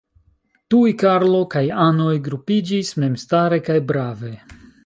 Tuj Karlo kaj anoj grupiĝis, memstare kaj brave.